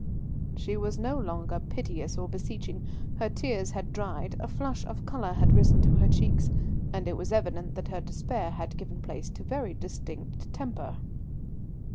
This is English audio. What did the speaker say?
She was no longer piteous or beseeching; her tears had dried, a flush of colour had risen to her cheeks, and it was evident that her despair had given place to very distinct temper.